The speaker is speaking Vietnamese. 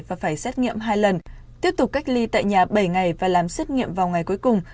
và phải xét nghiệm hai lần tiếp tục cách ly tại nhà bảy ngày và làm xét nghiệm vào ngày cuối cùng